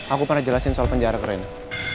aku pada jelasin soal penjara ke rena